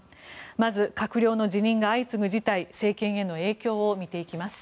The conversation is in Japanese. まず閣僚の辞任が相次ぐ事態政権への影響を見ていきます。